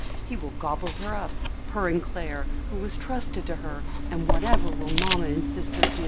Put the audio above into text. He will gobble her up, her and Clare, who was trusted to her, and whatever will Mamma and sister do?